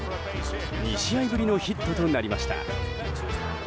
２試合ぶりのヒットとなりました。